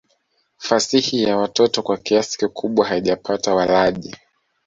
Fasihi ya watoto kwa kiasi kikubwa haijapata walaji.